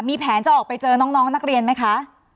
มีแผนจะออกไปเจอน้องนักเรียนไหมคะ